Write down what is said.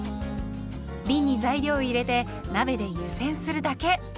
びんに材料を入れて鍋で湯煎するだけ。